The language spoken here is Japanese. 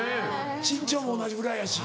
身長も同じぐらいやし。